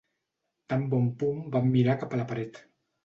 Tan bon punt van mirar cap a la paret.